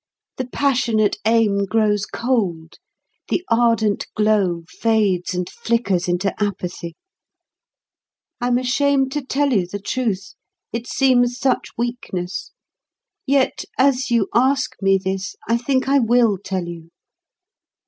The passionate aim grows cold; the ardent glow fades and flickers into apathy. I'm ashamed to tell you the truth, it seems such weakness; yet as you ask me this, I think I will tell you.